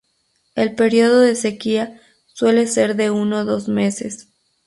El periodo de sequía suele ser de unos dos meses.